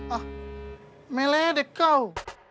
ah meleleh deh kau